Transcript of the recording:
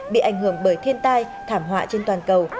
bị ảnh hưởng bởi thiên tai thảm họa trên toàn cầu